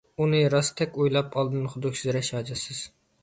ئۇنى راستتەك ئويلاپ ئالدىن خۇدۈكسېرەش ھاجەتسىز.